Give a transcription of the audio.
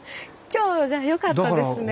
今日じゃあよかったですね。